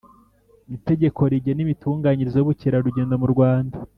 Itegeko rigena imitunganyirize yUbukerarugendo mu Rwanda